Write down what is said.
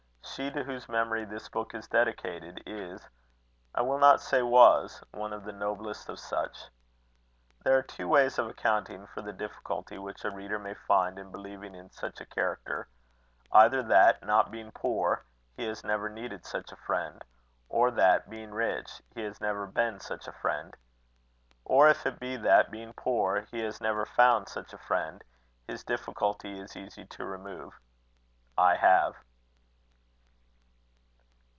She to whose memory this book is dedicated, is I will not say was one of the noblest of such. There are two ways of accounting for the difficulty which a reader may find in believing in such a character: either that, not being poor, he has never needed such a friend; or that, being rich, he has never been such a friend. Or if it be that, being poor, he has never found such a friend; his difficulty is easy to remove: I have.